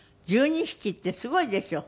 １２匹ってすごいでしょ？